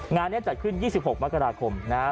งานนี้จัดขึ้น๒๖มกราคมนะครับ